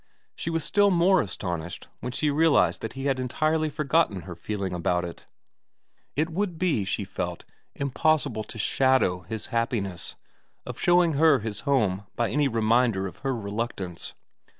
She was still more astonished when she realised that he had entirely forgotten her feeling about it. It would be, she felt, impossible to shadow his happiness at the prospect of showing her his home by any reminder of her reluctance.